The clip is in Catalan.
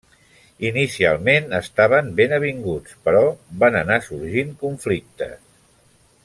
Inicialment estaven ben avinguts però van anar sorgint conflictes.